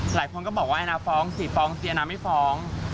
หลายคนก็บอกว่าไอ้น้าฟ้องสิฟ้องเสียนะไม่ฟ้อง